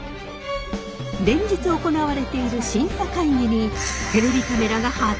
連日行われている審査会議にテレビカメラが初潜入！